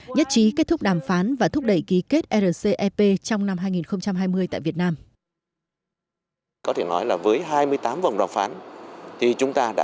nhất trí kết thúc đàm phán và thúc đẩy ký kết rcep trong năm hai nghìn hai mươi tại việt nam